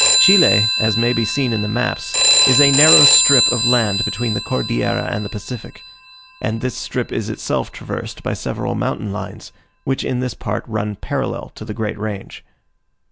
Chile, as may be seen in the maps, is a narrow strip of land between the Cordillera and the Pacific; and this strip is itself traversed by several mountain lines, which in this part run parallel to the great range.